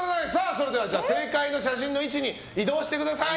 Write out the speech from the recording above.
それでは正解の写真の位置に移動してください！